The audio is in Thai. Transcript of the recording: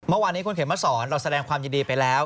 เมื่อวานนี้คุณเขมมาสอนเราแสดงความยินดีไปแล้ว